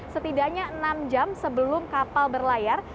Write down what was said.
setidaknya enam jam sebelum kapal berlayar